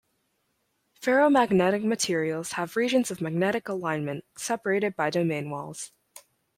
Ferromagnetic materials have regions of magnetic alignment separated by domain walls.